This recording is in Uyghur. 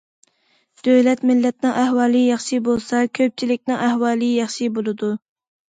دۆلەت، مىللەتنىڭ ئەھۋالى ياخشى بولسا، كۆپچىلىكنىڭ ئەھۋالى ياخشى بولىدۇ.